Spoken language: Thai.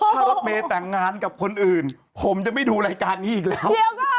ถ้ารถเมย์แต่งงานกับคนอื่นผมจะไม่ดูรายการนี้อีกแล้ว